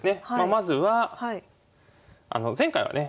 まずは前回はね